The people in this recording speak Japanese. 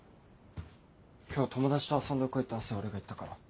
今日友達と遊んでこいって朝俺が言ったから。